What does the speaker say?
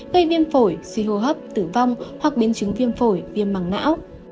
gây viêm phổi suy hô hấp tử vong hoặc biến chứng viêm phổi viêm mảng não